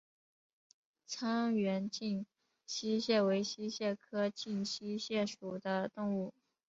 沧源近溪蟹为溪蟹科近溪蟹属的动物。